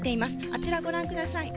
あちらご覧ください。